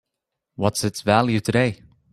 What's its value today?